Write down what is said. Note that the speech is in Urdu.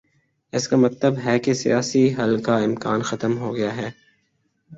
اس کا مطلب ہے کہ سیاسی حل کا امکان ختم ہو گیا ہے۔